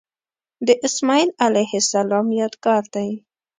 د اسمیل علیه السلام یادګار دی.